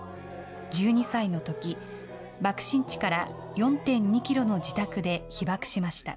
１２歳のとき、爆心地から４．２キロの自宅で被爆しました。